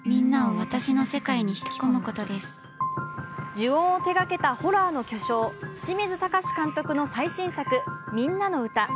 「呪怨」を手がけたホラーの巨匠・清水崇監督の最新作「ミンナのウタ」。